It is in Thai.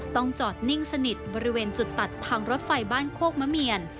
ต้องจอดนิ่งสนิทบริเวณจุดตัดทางรถไฟบ้านโคกมะเมียน